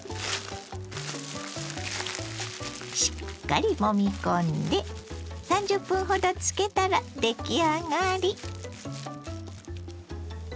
しっかりもみ込んで３０分ほど漬けたら出来上がり。